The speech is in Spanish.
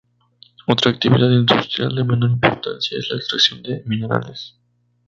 Otra actividad industrial de menor importancia es la extracción de minerales.